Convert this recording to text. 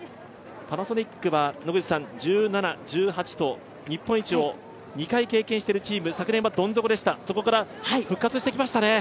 パナソニックは１７、１８と日本一を２回経験しているチーム、昨年はどん底でした、そこから復活してきましたね。